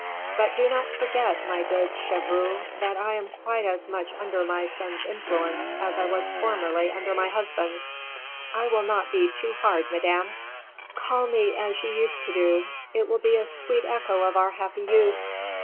"But do not forget, my good Chevreuse, that I am quite as much under my son's influence as I was formerly under my husband's." "I will not be too hard, madame." "Call me as you used to do; it will be a sweet echo of our happy youth."